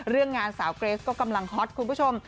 เรื่องงานสาวเกรสก็กำลังฮอตคุณผู้ชม